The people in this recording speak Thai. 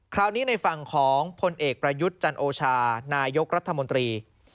คราวนี้ในฝั่งของพลเอกประยุทธ์จันโอชานายกรัฐมนตรี